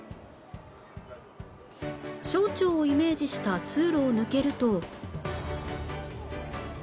小腸をイメージした通路を抜けると